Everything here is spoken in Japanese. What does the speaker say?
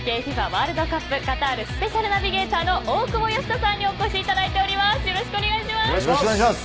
ワールドカップカタールスペシャルナビゲーターの大久保嘉人さんによろしくお願いします。